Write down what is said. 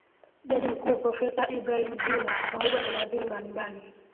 Jaji mkuu Profesa Ibrahim Juma pamoja na mawaziri mbalimbali